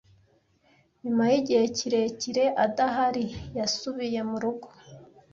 Nyuma yigihe kirekire adahari, yasubiye murugo.